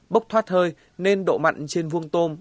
bốc thoát hơi nên độ mặn trên vuông tôm